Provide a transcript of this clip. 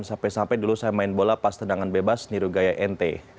sampai sampai dulu saya main bola pas tendangan bebas nirugaya ente